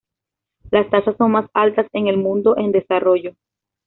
Las tasas son más altas en el mundo en desarrollo.